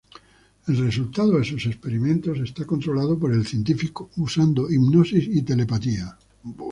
El resultado de sus experimentos es controlado por el científico usando hipnosis y telepatía.